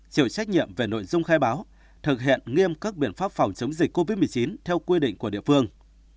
chịu trách nhiệm về nội dung khai báo thực hiện nghiêm các biện pháp phòng chống dịch covid một mươi chín theo quy định của địa phương